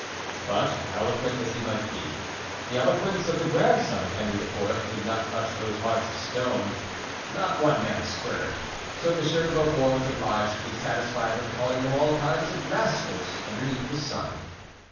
But eloquent as he might be, the eloquence of the grandson of Henry IV. did not touch those hearts of stone; not one man stirred, so Monsieur de Beaufort was obliged to be satisfied with calling them all kinds of rascals underneath the sun.